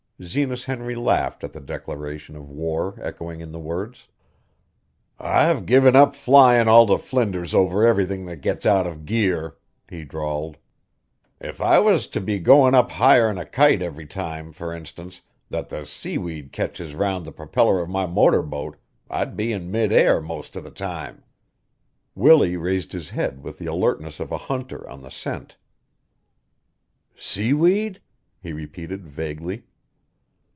Zenas Henry laughed at the declaration of war echoing in the words. "I've given up flyin' all to flinders over everything that gets out of gear," he drawled. "If I was to be goin' up higher'n a kite every time, fur instance, that the seaweed ketches round the propeller of my motor boat, I'd be in mid air most of the time." Willie raised his head with the alertness of a hunter on the scent. "Seaweed?" he repeated vaguely.